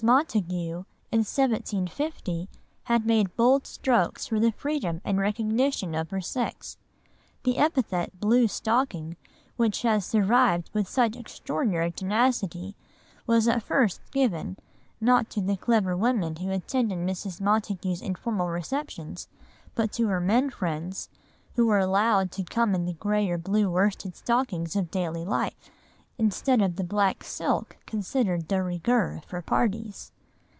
Montagu, in 1750, had made bold strokes for the freedom and recognition of her sex. The epithet "blue stocking," which has survived with such extraordinary tenacity, was at first given, not to the clever women who attended Mrs. Montagu's informal receptions, but to her men friends, who were allowed to come in the grey or blue worsted stockings of daily life, instead of the black silk considered de rigueur for parties.